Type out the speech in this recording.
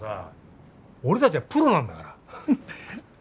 俺たちはプロなんだから！